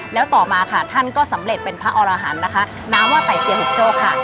แล้วต่อมาค่ะท่านก็สำเร็จเป็นพระอรหันต์นะคะน้ำว่าไต่เซียหุกโจ้ค่ะ